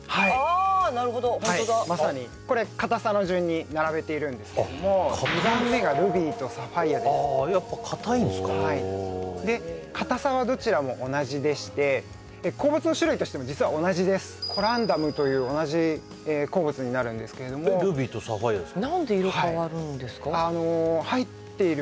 あなるほどホントだまさにこれ硬さの順に並べているんですけれども２番目がルビーとサファイアですあやっぱ硬いんですかで硬さはどちらも同じでしてコランダムという同じ鉱物になるんですけれどもルビーとサファイアですか？